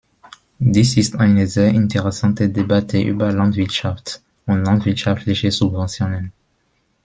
Dies ist eine sehr interessante Debatte über Landwirtschaft und landwirtschaftliche Subventionen.